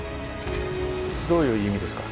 どういう意味ですか？